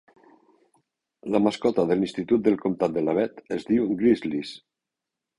La mascota de l'institut del comtat de Labette es diu Grizzlies.